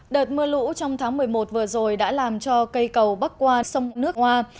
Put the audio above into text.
đợt mưa lũ trong tháng một mươi một vừa rồi đã làm cho cây cầu bắc qua sông nước hoa